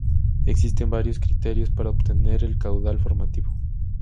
Existen varios criterios para obtener el caudal formativo.